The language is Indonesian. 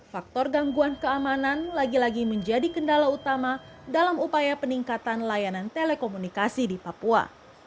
faktor gangguan keamanan lagi lagi menjadi kendala utama dalam upaya peningkatan layanan telekomunikasi di papua